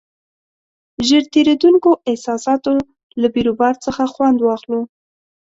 ژر تېرېدونکو احساساتو له بیروبار څخه خوند واخلو.